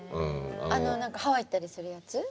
あの何かハワイ行ったりするやつ？